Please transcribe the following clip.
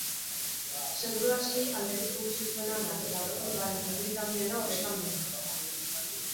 Seguru aski, alderik funtsezkoena da, eta aurrekontuaren zatirik handiena horretan doa.